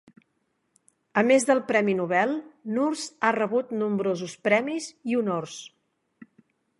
A més del Premi Nobel, Nurse ha rebut nombrosos premis i honors.